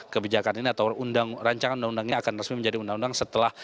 kebijakan ini atau rancangan undang undangnya akan resmi menjadi undang undang setelah